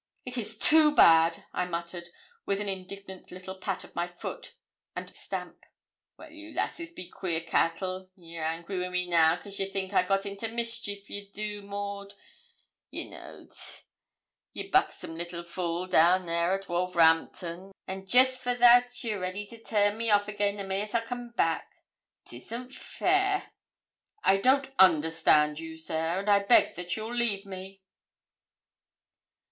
'It is too bad!' I muttered, with an indignant little pat of my foot and mimic stamp. 'Well, you lasses be queer cattle; ye're angry wi' me now, cos ye think I got into mischief ye do, Maud; ye know't, ye buxsom little fool, down there at Wolverhampton; and jest for that ye're ready to turn me off again the minute I come back; 'tisn't fair.' 'I don't understand you, sir; and I beg that you'll leave me.'